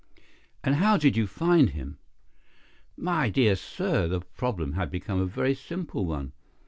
"And how did you find him?" "My dear sir, the problem had become a very simple one.